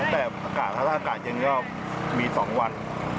แต่ถ้าอากาศเย็นก็มี๒วัน